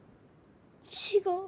違う。